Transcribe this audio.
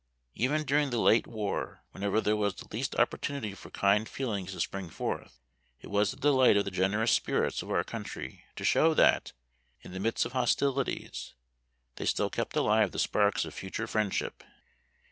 Even during the late war, whenever there was the least opportunity for kind feelings to spring forth, it was the delight of the generous spirits of our country to show that, in the midst of hostilities, they still kept alive the sparks of future friendship.